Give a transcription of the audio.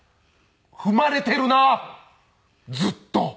踏まれてるなずっと。